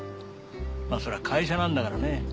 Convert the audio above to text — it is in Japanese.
まあそりゃ会社なんだからね